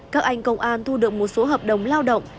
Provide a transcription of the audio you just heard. các anh công an thu được một số hợp đồng lao động